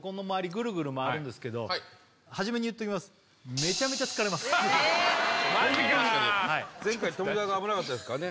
ぐるぐる回るんですけどはじめに言っときますマジか前回富澤が危なかったですからね